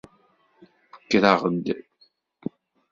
Kkreɣ-d.